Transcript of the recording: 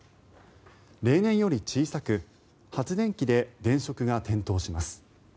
例年より小さく発電機で電飾が点灯します。